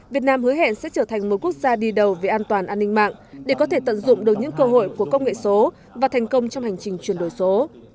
việt nam hứa hẹn sẽ trở thành một quốc gia đi đầu về an toàn an ninh mạng để có thể tận dụng được những cơ hội của công nghệ số và thành công trong hành trình chuyển đổi số